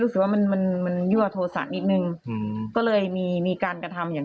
รู้สึกว่ามันมันยั่วโทษะนิดนึงอืมก็เลยมีมีการกระทำอย่าง